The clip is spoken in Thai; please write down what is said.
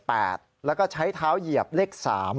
แล้วก็ใช้เท้าเหยียบเลข๓